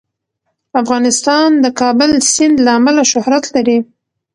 افغانستان د د کابل سیند له امله شهرت لري.